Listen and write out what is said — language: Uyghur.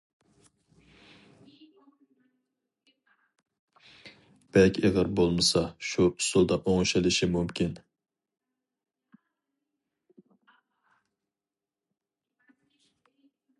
بەك ئېغىر بولمىسا شۇ ئۇسۇلدا ئوڭشىلىشى مۇمكىن.